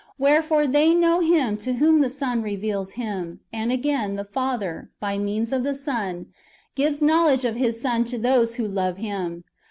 Wherefore tliey know Him to whom the Son reveals Him ; and again, the Father, by means of the Son, gives knowledge of His Son to those who love Him.